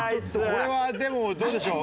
これはでもどうでしょう？